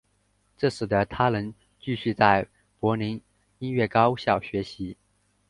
这使得他能继续在柏林音乐高校学习。